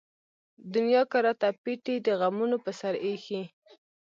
دنيا کۀ راته پېټے د غمونو پۀ سر اېښے